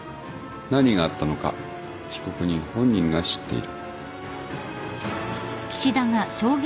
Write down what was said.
何があったのか被告人本人が知っている。